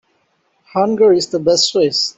Hunger is the best sauce.